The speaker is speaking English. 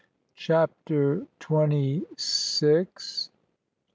CHAPTER TWENTY SIX.